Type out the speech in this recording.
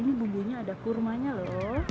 ini bumbunya ada kurmanya loh